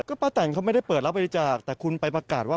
เขาไม่ได้เปิดรับบริจาคแต่คุณไปประกาศว่า